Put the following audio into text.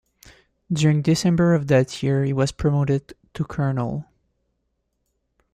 During December of that year, he was promoted to colonel.